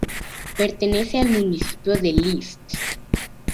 Pertenece al municipio de List.